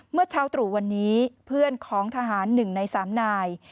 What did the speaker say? เมื่อเช้าตรู่วันนี้เพื่อนของทหาร๑ใน๓นาย